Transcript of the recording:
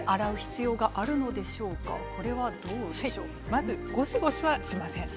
まずゴシゴシはしません。